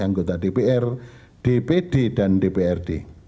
pemilu untuk memilih anggota dpr dpd dan dprd